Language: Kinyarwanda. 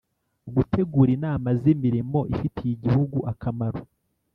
Gutegura inama z’ imirimo ifitiye igihugu akamaro